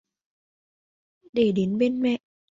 Để đến bên mẹ